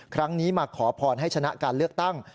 ครั้งนี้มาขอพรให้ชนะการเลือกตั้ง